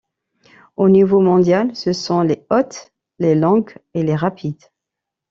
Au niveau mondial, ce sont les hautes, les longues et les rapides.